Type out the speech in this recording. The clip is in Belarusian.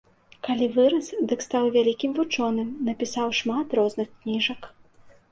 Калі вырас, дык стаў вялікім вучоным, напісаў шмат розных кніжак.